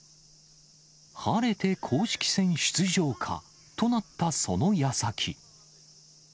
晴れて公式戦出場かとなったそのやさき。